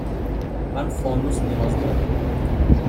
من فانوس نیاز دارم.